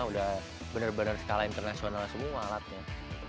udah benar benar skala internasional semua alatnya